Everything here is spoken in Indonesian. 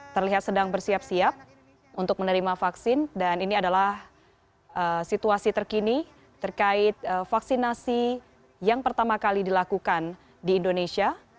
terlihat sedang bersiap siap untuk menerima vaksin dan ini adalah situasi terkini terkait vaksinasi yang pertama kali dilakukan di indonesia